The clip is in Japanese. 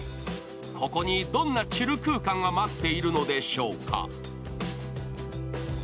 ここにどんなチル空間が待っているのでしょうか。